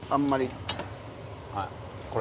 はい。